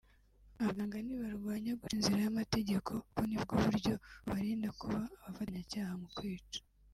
Abaganga ntibarwanya guca inzira y’amategeko kuko nibwo buryo bubarinda kuba abafatanyacyaha mu kwica